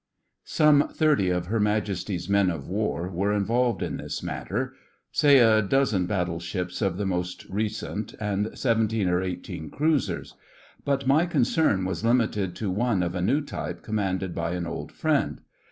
Some thirty of her Majesty's men of war were involved in this matter; say a dozen battleships of the most recent, and seventeen or eighteen cruisers; but my concern was limited to one of a new type commanded by an old friend.